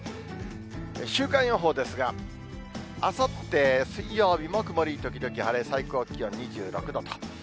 週間予報ですが、あさって水曜日も曇り時々晴れ、最高気温２６度と。